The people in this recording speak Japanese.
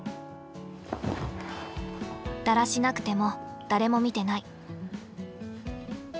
だらしなくても誰も見てない。